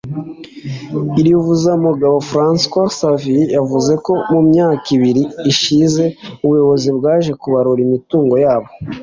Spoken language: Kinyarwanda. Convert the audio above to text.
Irivuzumugabo François Xavier yavuze ko mu myaka ibiri ishize ubuyobozi bwaje kubarura imitungo yabo